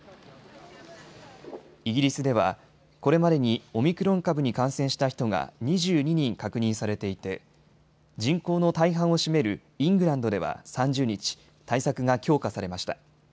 イギリスではこれまでにオミクロン株に感染した人が２２人確認されていて人口の大半を占めるイングランドでは３０日、対策が強化されました。